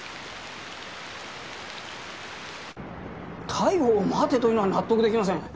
逮捕を待てというのは納得出来ません。